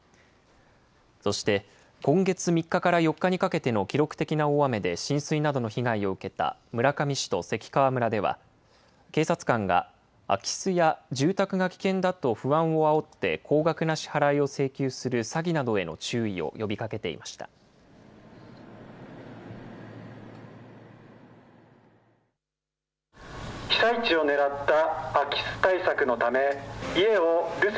そして、今月３日から４日にかけての記録的な大雨で浸水などの被害を受けた村上市と関川村では、警察官が空き巣や住宅が危険だと不安をあおって高額な支払いを請求する詐欺などへの注意を呼びかけていました。